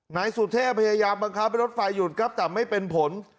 นายสุเทพพยายามบังคับให้รถไฟหยุดครับแต่ไม่เป็นผล